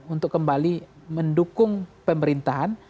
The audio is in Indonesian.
untuk kembali mendukung pemerintahan